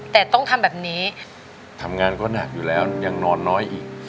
แต่ต้องทำแบบนี้ทำงานก็หนักอยู่แล้วยังนอนน้อยอีก